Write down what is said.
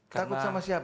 takut sama siapa